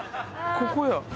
ここや。